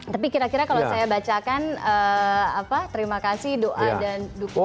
tapi kira kira kalau saya bacakan terima kasih doa dan dukungan